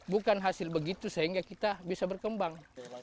bukan hasil begitu sehingga kita bisa berkembang